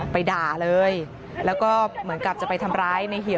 ไปด่าเลยแล้วก็เหมือนกับจะไปทำร้ายในเหี่ยว